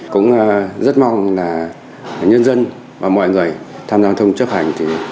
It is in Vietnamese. cũng rất mong nhân dân và mọi người tham gia thông chấp hành